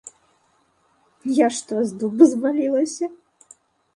Я што, з дубу звалілася?